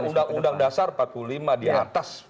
undang undang dasar empat puluh lima diatas